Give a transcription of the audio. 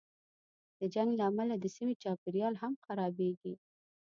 د جنګ له امله د سیمې چاپېریال هم خرابېږي.